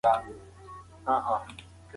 زه غواړم چې د جامع جومات لیدو ته لاړ شم.